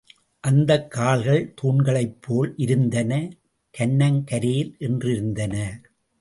அந்தக் கால்கள் தூண்களைப் போல் இருந்தன கன்னங்கரேல் என்றிருந்தன.